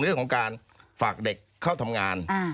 เรื่องของการฝากเด็กเข้าทำงาน